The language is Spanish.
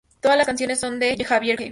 Todas las canciones son de Javier Krahe.